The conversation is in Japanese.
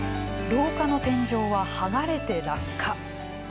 廊下の天井は剥がれて落下。